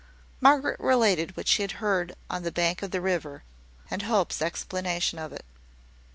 Margaret related what she had heard on the bank of the river, and Hope's explanation of it.